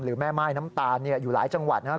แม่ม่ายน้ำตาลอยู่หลายจังหวัดนะครับ